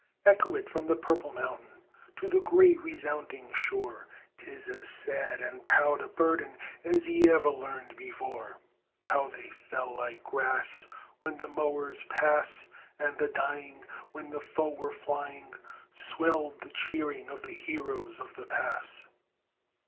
Echo it from the purple mountain To the gray resounding shore! 'Tis as sad and proud a burden As ye ever learned before. How they fell like grass When the mowers pass! And the dying, When the foe were flying, Swelled the cheering of the heroes of the pass.